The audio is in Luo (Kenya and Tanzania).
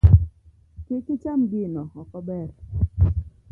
Kik icham gino, ok ober.